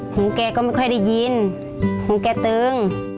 หูแก่ก็ไม่ค่อยได้ยินหูแก่ตึ้ง